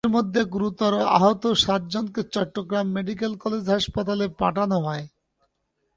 তাঁদের মধ্যে গুরুতর আহত সাতজনকে চট্টগ্রাম মেডিকেল কলেজ হাসপাতালে পাঠানো হয়।